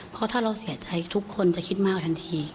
เพราะถ้าเราเสียใจทุกคนจะคิดมากทันที